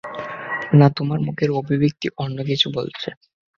না, তোমার মুখের অভিব্যক্তি অন্যকিছু বলছে!